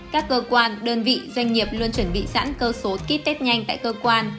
các cơ quan đơn vị doanh nghiệp luôn chuẩn bị sẵn cơ số kít tết nhanh tại cơ quan